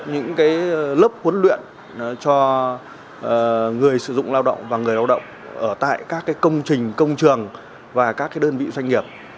những lớp huấn luyện cho người sử dụng lao động và người lao động ở tại các công trình công trường và các đơn vị doanh nghiệp